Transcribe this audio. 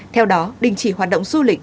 theo đó đình chỉ hoạt động du lịch